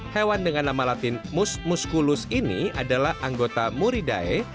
hewan dengan nama latin musculus ini adalah anggota muridae